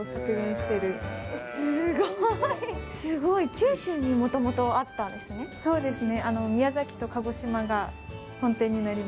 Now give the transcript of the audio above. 九州にもともとあったんですね。